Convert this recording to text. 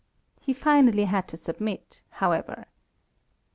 He finally had to submit, however.